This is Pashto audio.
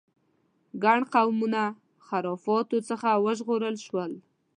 ګڼ قومونه خرافاتو څخه وژغورل شول.